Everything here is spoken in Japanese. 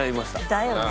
だよね。